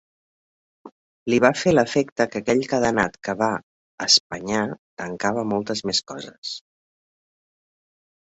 Li va fer l'efecte que aquell cadenat que va espanyar tancava moltes més coses.